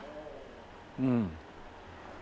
うん。